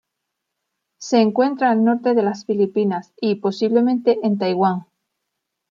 Se encuentra al norte de las Filipinas y, posiblemente, en Taiwán.